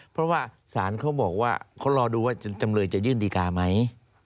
เพราะว่าศาลเขาบอกว่าเขารอดูว่าจำเลยจะยื่นดีการ์ไหม